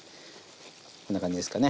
こんな感じですかね。